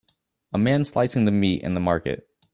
a man slicing the meat in the market